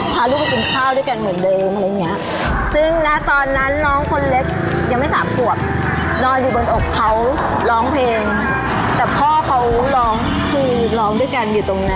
พยายามให้เขากิน